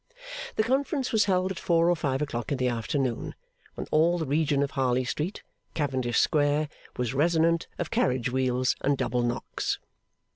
The conference was held at four or five o'clock in the afternoon, when all the region of Harley Street, Cavendish Square, was resonant of carriage wheels and double knocks.